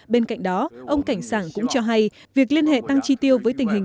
bên cạnh đó ông cảnh sảng cũng cho hay việc liên hệ tăng chi tiêu với tình hình